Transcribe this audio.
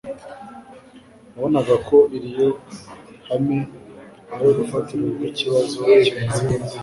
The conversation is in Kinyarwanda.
wabonaga ko ilyo hame ari urufatiro rw'ikibazo kimaze iminsi,